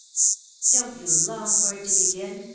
" Don't you long for it to begin